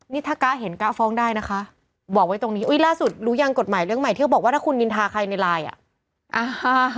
นี่ถ้าก๊ะเห็นก๊าฟ้องได้นะคะบอกไว้ตรงนี้อุ้ยล่าสุดรู้ยังกฎหมายเรื่องใหม่ที่เขาบอกว่าถ้าคุณนินทาใครในไลน์อ่ะอ่า